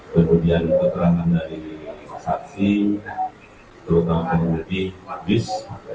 kemudian keterangan dari saksi terutama dari bis